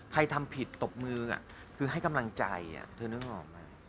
ทำผิดตบมือคือให้กำลังใจเธอนึกออกไหม